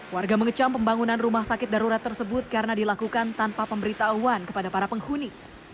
warga mengecam pembangunan rumah sakit darurat tersebut karena dilakukan tanpa pemberitahuan kepada para penghuni